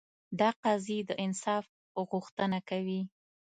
دا قاضي د انصاف غوښتنه کوي.